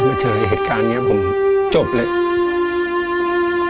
มาเจอเหตุการณ์นี้ผมจบเลย